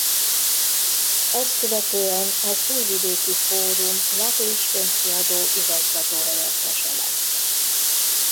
Ezt követően az újvidéki Fórum Lap- és Könyvkiadó igazgató-helyettese lett.